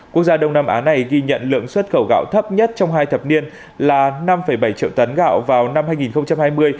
quốc gia đông nam á này ghi nhận lượng xuất khẩu gạo thấp nhất trong hai thập niên là năm bảy triệu tấn gạo vào năm hai nghìn hai mươi